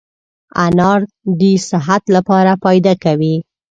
انار دي صحت لپاره فایده کوي